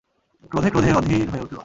ক্রোধে ক্রোধে অধীর হয়ে উঠল।